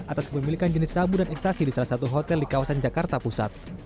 atas kepemilikan jenis sabu dan ekstasi di salah satu hotel di kawasan jakarta pusat